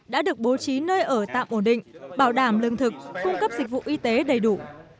đã được bố trí nơi ở tạm ổn định bảo đảm lương thực cung cấp dịch vụ y tế đầy đủ